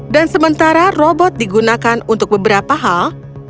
dan sementara robot digunakan untuk beberapa hal